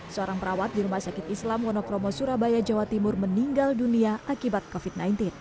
seorang perawat di rumah sakit islam wonokromo surabaya jawa timur meninggal dunia akibat covid sembilan belas